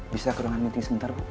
bisa ke ruangan meeting sebentar